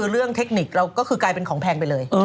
เรื่องเทคนิคเราก็คือกลายเป็นของแพงไปเลย